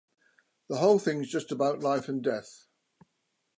The whole thing's just about life and death.